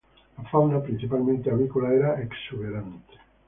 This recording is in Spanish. La fauna, principalmente avícola, era exuberante.